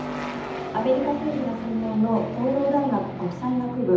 アメリカ政治が専門の東洋大学国際学部